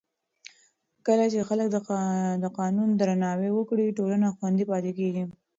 کله چې خلک د قانون درناوی وکړي، ټولنه خوندي پاتې کېږي.